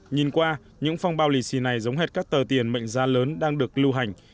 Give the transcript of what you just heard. nhìn qua những phong bao lì xì này giống hết các tờ tiền mệnh giá lớn đang được lưu hành